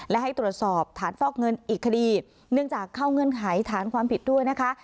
และให้ตรวจสอบฐานฟอกเงินอีกคดีเนื่องจากเข้าเงื่อนไขฐานความผิดด้วยนะคะ